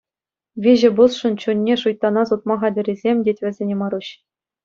Виҫӗ пусшӑн чунне шуйттана сутма хатӗррисем тет вӗсене Маруҫ.